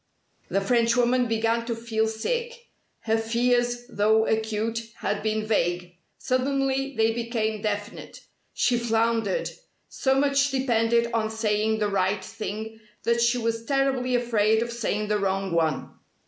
The Frenchwoman began to feel sick. Her fears, though acute, had been vague. Suddenly they became definite. She floundered. So much depended on saying the right thing that she was terribly afraid of saying the wrong one.